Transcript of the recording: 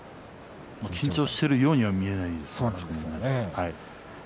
緊張してるようには見えないです。